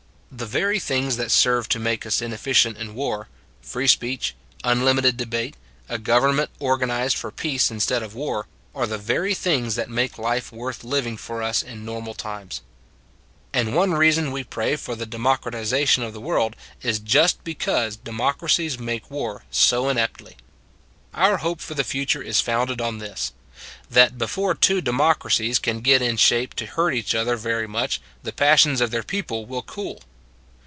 The very things that serve to make us inefficient in war free speech, unlimited debate, a government organized for peace instead of war are the very things that make life worth living for us in normal times. And one reason why we pray for the de Lincoln Pulled Through 161 mocratization of the world is just because democracies make war so ineptly. Our hope for the future is founded on this that before two democracies can get in shape to hurt each other very much the passions of their people will cool.